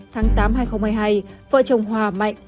tháng tám hai nghìn hai mươi hai vợ chồng hòa mạnh